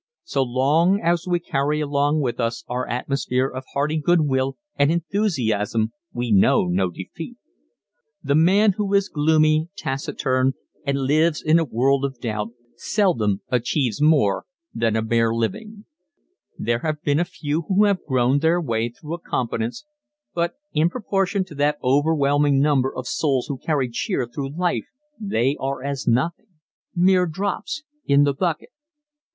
So long as we carry along with us our atmosphere of hearty good will and enthusiasm we know no defeat. The man who is gloomy, taciturn and lives in a world of doubt seldom achieves more than a bare living. There have been a few who have groaned their way through to a competence but in proportion to that overwhelming number of souls who carry cheer through life they are as nothing mere drops in the bucket.